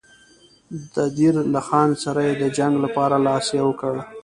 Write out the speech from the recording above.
د دیر له خان سره یې د جنګ لپاره لاس یو کړ.